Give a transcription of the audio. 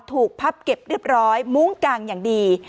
พับเก็บเรียบร้อยมุ้งกางอย่างดี